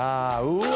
うわ。